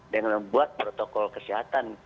dengan membuat protokol kesehatan